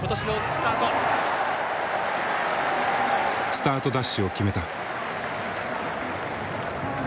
スタートダッシュを決めた。